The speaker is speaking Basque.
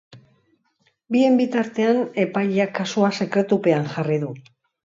Bien bitartean, epaileak kasua sekretupean jarri du.